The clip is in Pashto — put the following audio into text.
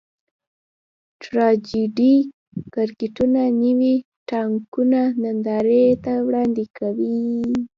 ټراجېډي کرکټرونه نوي ناټکونه نندارې ته وړاندې کوي.